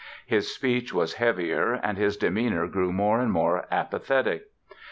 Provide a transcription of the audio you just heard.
His speech was heavier and his demeanor grew more and more apathetic.